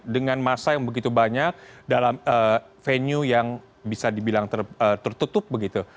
dengan masa yang begitu banyak dalam venue yang bisa dibilang tertutup begitu